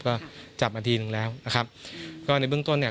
ก็จับมาทีนึงแล้วนะครับก็ในเบื้องต้นเนี่ย